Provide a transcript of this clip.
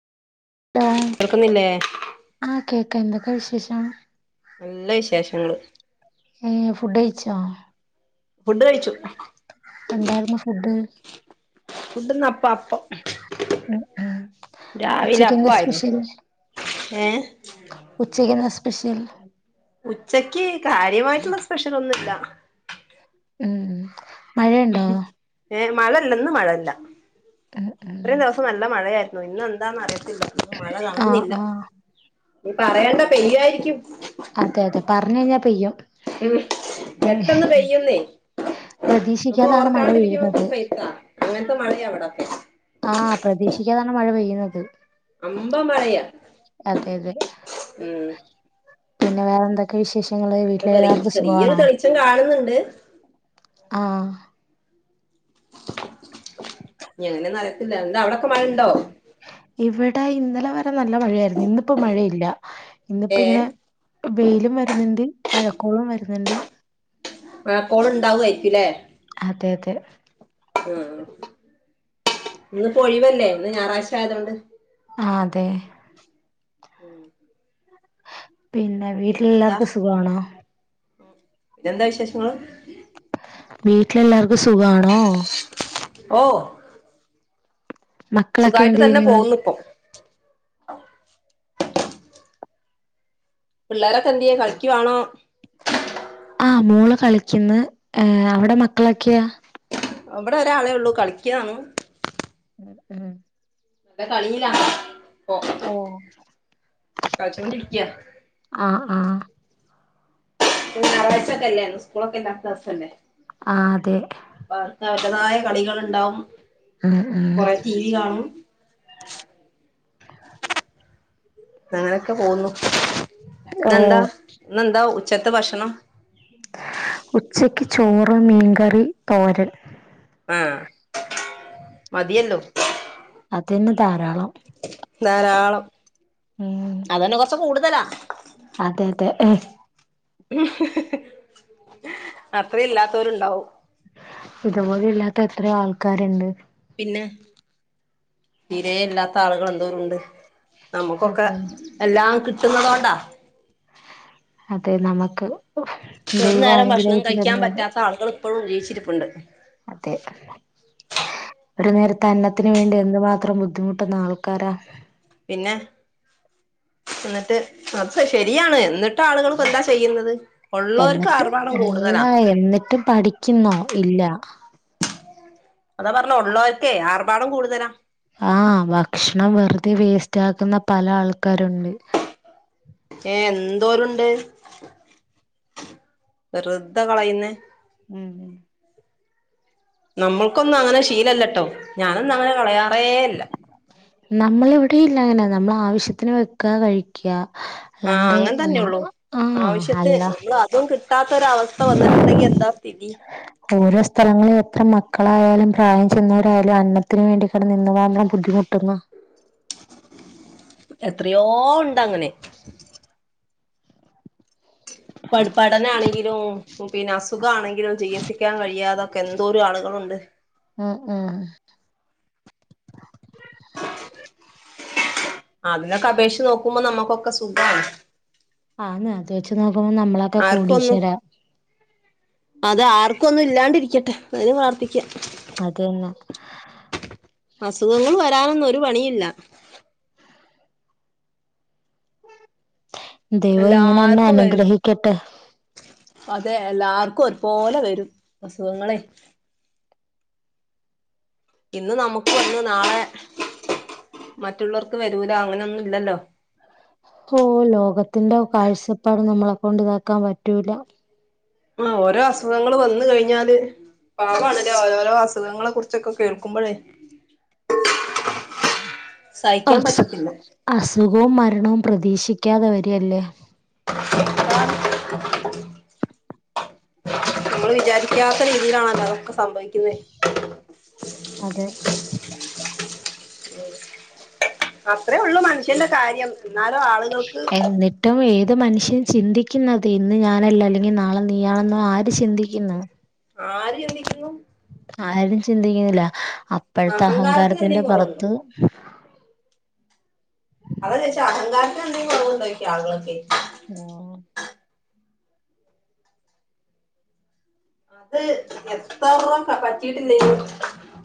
ടാ കേൾക്കുന്നില്ലേ ആഹ് കേക്ക എന്തൊക്കെ വിശേഷം നല്ല വിശേഷങ്ങള് ഏഹ് ഫുഡ്ഡ് കഴിച്ചോ ഫുഡ്ഡ് കഴിച്ചു എന്താരുന്നു ഫുഡ് ഫുഡ്ന് അപ്പ അപ്പം ഉം ഉം രാവിലെ ഉച്ചക്കെന്താ അപ്പായ്രുന്നു സ്പെഷ്യൽ ഏഹ് ഉച്ചക്കെന്ന സ്പെഷ്യൽ ഉച്ചയ്ക്ക് കാര്യമായ്ട്ടുള്ള സ്പെഷ്യലൊന്നുല്ല ഉം മഴയുണ്ടോ ഏഹ് മഴ ഇല്ല ഇന്ന് മഴല്ല ഉം ഉം ഇത്രീം ദിവസം നല്ല മഴയായ്രുന്നു ഇന്നെന്താന്നറിയത്തില്ല മഴ ആഹ് കാണ്ന്നില്ല ആഹ് നി പറയണ്ട പെയ്യായ്രിക്കും അതെ അതെ പറഞ്ഞെഴിഞ്ഞ പെയ്യും ഉം ഏഹ് പെട്ടന്ന് പെയ്യുന്നെ പ്രതീക്ഷിക്കാതാണ് മഴ നമ്മളോർക്കാണ്ടിരിക്കുമ്പൊ പെയ്യുന്നത് പെയ്താ. അങ്ങൻത്തെ മഴയാ ഇവടകെ ആഹ് പ്രതീക്ഷിക്കാതെണ് മഴ പെയ്യ്ണത് അമ്പ മഴയാ അതെ അതെ ഉം പിന്നെ വേറെന്തൊക്കെ വിശേഷങ്ങള് ഇപ്പൊ വീട്ടിലെലാർക്കു ചെറിയൊരു സുഖവാണൊ തെളിച്ചം കാണുന്നുണ്ട് ആഹ് ഞിങ്ങെനെന്നറിയത്തില്ല എന്ത അവ്ടൊക്കെ മഴണ്ടൊ ഇവടെ ഇന്നലെ വരെ നല്ല മഴയായ്രുന്നു ഇന്നിപ്പൊ മഴയില്ല ഇന്നിപ്പ ഏഹ് ഇങ്ങനെ വെയിലും വര്ന്ന്ണ്ട് മഴക്കോളും വര്ന്ന്ണ്ട് വാ കോള്ണ്ടാവ്യാരിക്കുലേ അതെ അതെ ആഹ് ഇന്ന്പ്പ ഒഴിവല്ലെ ഇന്ന് ഞാറാഴ്ച ആയതോണ്ട് ആഹ് തേ ഉം പിന്ന വീട്ടാലെല്ലാർക്കും സുഖവാണൊ എന്ത വിശേഷങ്ങള് വീട്ട്ലെല്ലാർക്കു സുഖാണോ ഓ മക്കളൊക്കെ സുഖായിട്ട് തന്നെ എന്തെയ്യ്ന്ന് പോകുന്നു ഇപ്പൊ പിള്ളേരൊക്കെ എന്ത്യേ കളിക്കുവാണോ ആഹ് മോള് കളിക്കന്ന് ഏ അവിടെ മക്കളൊക്കെയാ ഇവിടെ ഒരാളെ ഒള്ളു കളിക്കാണ് ഉം ഉം കളിയിലാണ് പ്പൊ ഓ കളിച്ചോണ്ടിരിക്ക ആ ആ ഞായറഴ്ചൊക്കെല്ലേ ഇന്ന് സ്കൂളൊക്കെ ഇല്ലാത്ത ദിവസല്ലേ ആഹ് അതെ അപ്പ അവർക്ക് അവരതായ കളികളിണ്ടാവും ഉം ഉം കൊറെ ടീ വി കാണും അങ്ങനെക്കെ പോകുന്നു ഓ ഇന്നെന്താ ഇന്നെന്താ ഉച്ചത്തെ ഭഷണം? ഉച്ചക്ക് ചോറ് മീൻങ്കറി തോരൻ ആഹ് മതിയല്ലോ അതന്നെ ധാരാളം ധാരാളം ഉം അതന്നെ കൊറച്ച് കൂടുതലാ അതെ അതെ അത്രേല്ലാത്തോരുണ്ടാവും ഇതുപോലും ഇല്ലാത്ത എത്ര ആൾക്കാര്ണ്ട് പിന്നെ തീരെ ഇല്ലാത്ത ആളുകള് എന്തോരോണ്ട് നമുക്കൊക്കെ അതന്നെ എല്ലാം കിട്ടുന്നത് കൊണ്ടാ അതെ നമുക്ക് ദൈവം അനുഗ്രഹിച്ചു തരുന്നോണ്ട് ആള്കള് ഇപ്പഴും ജീവിച്ചിരിപ്പോണ്ട് അതെ ഒരു നേരത്തെ അന്നത്തിന് വേണ്ടി എന്ത് മാത്രം ബുദ്ധിമുട്ടുന്ന ആൾക്കാരാ പിന്നെ എന്നിട്ട് അത് ശെരിയാണ് എന്നിട്ട് ആളുകള്പ്പോ എന്താ ചെയ്യുന്നത് ഉള്ളവർക്ക് എന്നിട്ടും ആർഭാടം അല്ല കൂടുതലാ എന്നിട്ടും പഠിക്കുന്നോ ഇല്ല അതാ പറഞ്ഞ് ഒള്ളോർക്കെ ആർഭാടം കൂടുതലാ ആഹ് ഭക്ഷണം വെറുതെ വേസ്റ്റ് ആക്കുന്ന പല ആൾക്കാരോണ്ട് ഏഹ് എന്തോരൊണ്ട് വെറുതെ കളയുന്നെ ഉം ഉം നമ്മൾക്കൊന്നും അങ്ങനെ ശീലല്ലട്ടോ ഞാനൊന്നും അങ്ങനെ കളയാറേ ഇല്ല നമ്മള് ഇവടെയില്ല അങ്ങനെ നമ്മള് ആവശ്യത്തിന് വെക്കാ കഴിക്കാ ആഹ് അങ്ങനെ തന്നെള്ളൂ ആവശ്യത്തിന് അല്ല നമ്മൾ അതും കിട്ടാത്തൊരു അവസ്ഥ വന്നിട്ടുണ്ടെങ്കി എന്താ സ്ഥിതി ഓരോ സ്ഥലങ്ങളിലും എത്ര മക്കളായാലും പ്രായം ചെന്നവരായാലും അന്നത്തിന് വേണ്ടി കെടന്ന് എന്ത് മാത്രം ബുദ്ധിമുട്ടുന്നു എത്രയോ ഒണ്ട് അങ്ങനെ പഠ് പഠനാണെങ്കിലും പിന്നെ അസുഖാണെങ്കിലും ചികിൽസിക്കാൻ കഴിയാതൊക്കെ എന്തോരം ആളുകളോണ്ട് ഉം ഉം അതിനൊക്കെ അപേഷിച്ച് നോക്കുമ്പോ നമുക്കൊക്കെ സുഖാണ് ആന്ന് അത് വെച്ച് നോക്കുമ്പോ നമ്മള് ആർക്കു ഒന്നും അതെ ആർക്കൊന്നും ഇല്ലാണ്ടിരിക്കട്ടെ അതിന് പ്രാർത്ഥിക്കാം. അതന്നെ അസുഖങ്ങള് വരാനൊന്നും ഒരു പണിയില്ല ദൈവം ഇങ്ങനെന്നെ എല്ലാർക്കും വരും അനുഗ്രഹിക്കട്ടെ അതെ എല്ലാർക്കും ഒരുപോലെ വരും അസുഖങ്ങളെ ഇന്ന് നമ്മക്ക് വന്ന് നാളെ മറ്റുള്ളർക്ക് വരൂല അങ്ങനൊന്നും ഇല്ലല്ലോ ഓഹ് ലോകത്തിന്റെ കാഴ്ചപ്പാട് നമ്മളെകൊണ്ട് ഇതാക്കാൻ പറ്റൂല ആഹ് ഓരോ അസുഖങ്ങള് വന്ന് കഴിഞ്ഞാല് പാവാണല്ലോ ഒരോരോ അസുഖങ്ങളെ കുറിച്ചൊക്കെ കേൾക്കുമ്പഴേ [inaudible] സഹിക്കാൻ അസു പറ്റത്തില്ല അസുഖോം മരണോം പ്രതീക്ഷിക്കാതെ വരികല്ലേ. [inaudible] മ്മള് വിചാരിക്കാത്ത രീതിലാണല്ലോ അതൊക്കെ സംഭവിക്കുന്നെ അതെ ഉം അത്രേ ഒള്ളു മനുഷ്യന്റെ കാര്യം. എന്നാലോ ആള്കൾക്ക് ഏറ്റവും ഏത് മനുഷ്യൻ ചിന്തിക്കുന്നത് ഇന്ന് ഞാനല്ല അല്ലെങ്കിൽ നാളെ നീയാണെന്ന് ആര് ചിന്തിക്കുന്നു ആര് ചിന്തിക്കുന്നു ആരും ചിന്തിക്കുന്നില്ല അപ്പോഴത്തെ അഹങ്കാരത്തിന് അഹങ്കാരത്തിന്റെ എന്തെങ്കിലും കുറവുണ്ടോ പുറത്ത് അതാ ചെയിച്ചെ അഹങ്കാരത്തിനുന്തേങ്കി കുറവുണ്ടോ ആളുകളൊക്കെ ആഹ് ത് എത്രാ പ പറ്റിട്ടില്ലേ